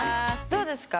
どうですか？